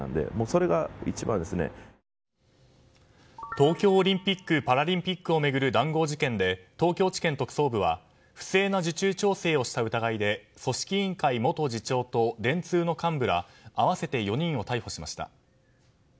東京オリンピック・パラリンピックを巡る談合事件で東京地検特捜部は不正な受注調整をした疑いで組織委員会元次長と電通の幹部ら合わせて４人を逮捕しました。